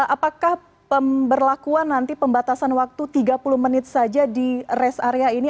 apakah pemberlakuan nanti pembatasan waktu tiga puluh menit saja di rest area ini